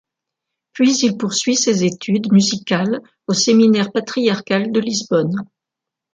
Puis il poursuit ses études musicales au Séminaire Patriarcal de Lisbonne.